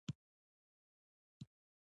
په ثابتې پانګې باندې ورزیاتول بله لاره ده